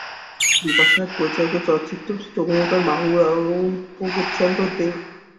বিপাশা হায়াত পরিচালিত চলচ্চিত্রটিতে অভিনয় করেন মাহবুব-উল আলম এবং প্রবোধচন্দ্র দে।